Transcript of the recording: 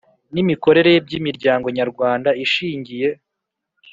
N imikorere by imiryango nyarwanda ishingiye